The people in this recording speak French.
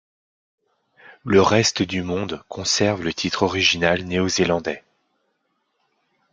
Le reste du monde conserve le titre original néo-zélandais '.